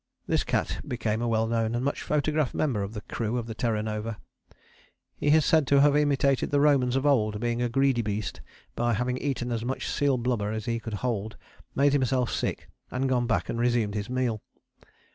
This cat became a well known and much photographed member of the crew of the Terra Nova. He is said to have imitated the Romans of old, being a greedy beast, by having eaten as much seal blubber as he could hold, made himself sick, and gone back and resumed his meal.